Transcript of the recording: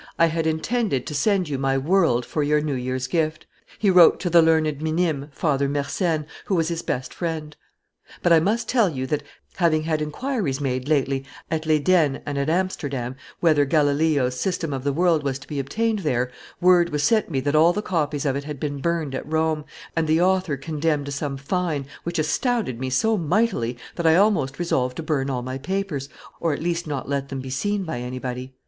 "I had intended to send you my World for your New Year's gift," he wrote to the learned Minime, Father Mersenne, who was his best friend; "but I must tell you that, having had inquiries made, lately, at Leyden and at Amsterdam, whether Galileo's system of the world was to be obtained there, word was sent me that all the copies of it had been burned at Rome, and the author condemned to some fine, which astounded me so mightily that I almost resolved to burn all my papers, or at least not let them be seen by anybody.